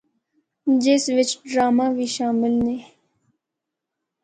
جس وچ ڈرامہ وی شامل نے۔